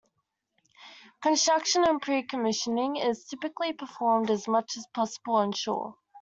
Construction and pre-commissioning is typically performed as much as possible onshore.